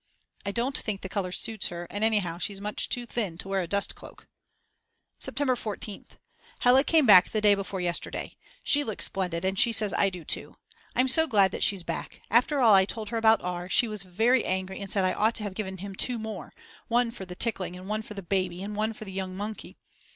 I don't think the colour suits her, and anyhow she's much too thin to wear a dustcloak. September 14th. Hella came back the day before yesterday. She looks splendid and she says I do too. I'm so glad that she's back. After all I told her about R. She was very angry and said I ought to have given him 2 more; one for the tickling and one for the "baby" and one for the "young monkey."